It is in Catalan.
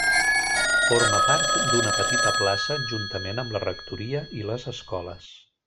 Forma part d'una petita plaça juntament amb la rectoria i les escoles.